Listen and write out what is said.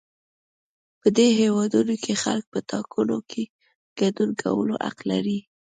په دې هېوادونو کې خلک په ټاکنو کې ګډون کولو حق لري.